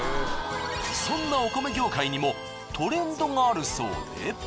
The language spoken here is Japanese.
そんなお米業界にもトレンドがあるそうで。